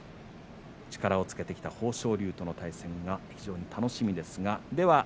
力をつけてきた豊昇龍との対戦が非常に楽しみです。